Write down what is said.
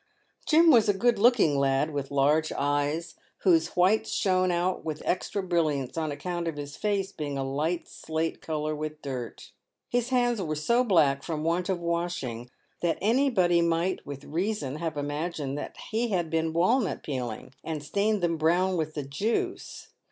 Jim was a good looking lad, with large eyes, whose whites shone out with extra brilliance on account of his face being a light slate colour with dirt. His hands were so black from want of washing, that anybody might with reason have imagined that he had been walnut peeling, and stained them brow T n with the juice.